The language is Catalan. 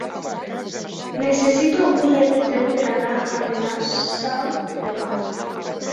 Necessito un bitllet de tren per anar a Benasau demà.